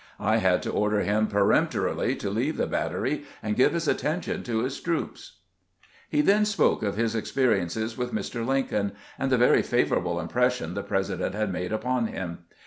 I had to order him peremptorily to leave the battery and give his at tention to his troops." He then spoke of his experiences with Mr. Lincoln, and the very favorable impression the President had made upon him.